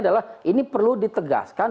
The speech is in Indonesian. adalah ini perlu ditegaskan